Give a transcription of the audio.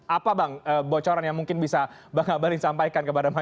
apa bang bocoran yang mungkin bisa bang abalin sampaikan kepada masyarakat